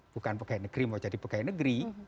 bukan pegawai negeri mau jadi pegawai negeri